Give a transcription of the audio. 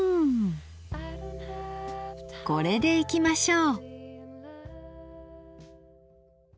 これでいきましょう。